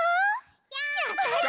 やったち！